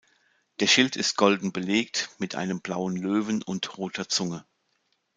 Der Schild ist golden belegt mit einem blauen Löwen und roter Zunge.